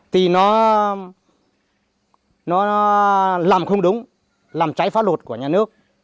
thì nó làm không đúng làm cháy phá luật của nhà nước